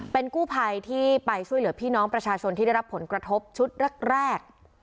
เป็นกู้ภัยที่ไปช่วยเหลือพี่น้องประชาชนที่ได้รับผลกระทบชุดแรก